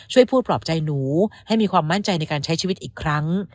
ช่วยพูดปลอบใจหนูให้มีความมั่นใจในการใช้ชีวิตอีกครั้ง